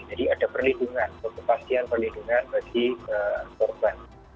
jadi ada perlindungan kepastian perlindungan bagi korban